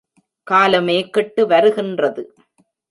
காலமே கெட்டு வருகின்றது.